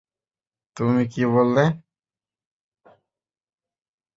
তুমি কি বললে?